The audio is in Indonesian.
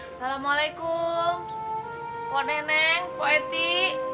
assalamualaikum po neneng poetic